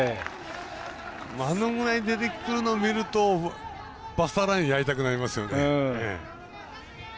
あのぐらい出てくるのを見るとバスターラインやりたくなりますよね。